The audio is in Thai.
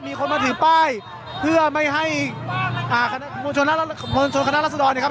มีคนมาถือป้ายเพื่อไม่ให้อ่ามวลชนคณะรัศดรเนี้ยครับ